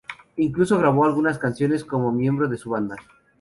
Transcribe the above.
Incluso grabó algunas canciones como miembro de su banda.